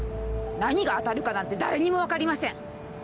何が当たるかなんて誰にも分かりません。